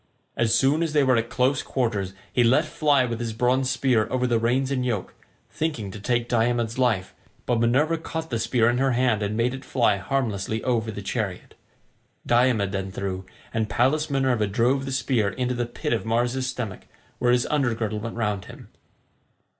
As soon as they were at close quarters he let fly with his bronze spear over the reins and yoke, thinking to take Diomed's life, but Minerva caught the spear in her hand and made it fly harmlessly over the chariot. Diomed then threw, and Pallas Minerva drove the spear into the pit of Mars's stomach where his under girdle went round him.